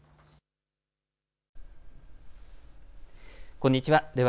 こんにちは。